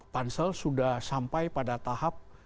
pansel sudah sampai pada tahap